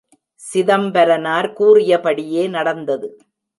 சிதம்பரனார் கூறியபடியே நடந்தது.